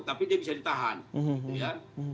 tapi dia bisa ditahan gitu ya